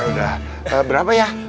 udah berapa ya